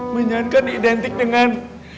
minyan kan identik dengan